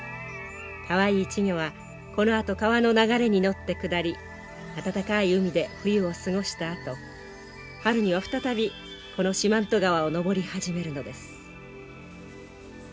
かわいい稚魚はこのあと川の流れに乗って下り暖かい海で冬を過ごしたあと春には再びこの四万十川を上り始めるのです。